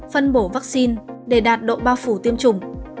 phân bổ vắc xin để đạt độ bao phủ tiêm chủng